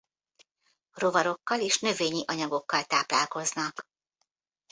Rovarokkal és növényi anyagokkal táplálkoznak.